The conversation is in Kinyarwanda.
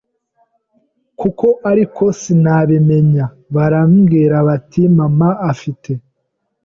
koko ariko sinabimenya, barambwira bati mama afite